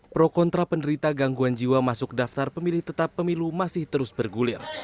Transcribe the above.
pro kontra penderita gangguan jiwa masuk daftar pemilih tetap pemilu masih terus bergulir